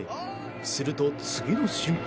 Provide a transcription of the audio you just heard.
すると、次の瞬間。